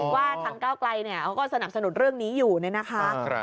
ว่าทางเก้าไกลเนี่ยเขาก็สนับสนุนเรื่องนี้อยู่นะคะ